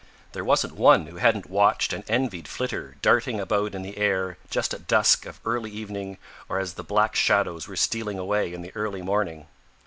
There wasn't one who hadn't watched and envied Flitter darting about in the air just at dusk of early evening or as the Black Shadows were stealing away in the early morning.